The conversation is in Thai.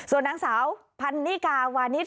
ส่วนนางสาวพันนิกาวานิส